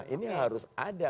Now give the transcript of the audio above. ini harus ada